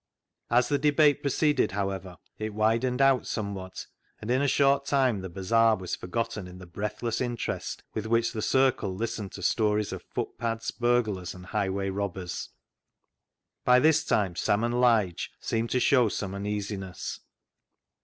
As the debate proceeded, however, it widened out somewhat, and in a short time the bazaar was forgotten in the breathless interest with which the circle listened to stories of footpads, burglars, and highway robbers. "THE ZEAL OF THINE HOUSE" 335 By this time Sam and Lige seemed to show some uneasiness.